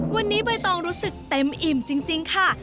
วันนี้ใบตองรู้สึกเต็มอิ่มจริงค่ะ